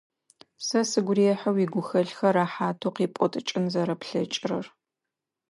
Сэ сыгу рехьы уигухэлъхэр рэхьатэу къипӏотыкӏын зэрэплъэкӏырэр.